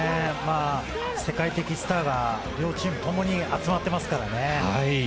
世界的スターが両チームともに集まっていますからね。